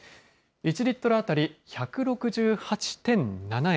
１リットル当たり１６８．７円。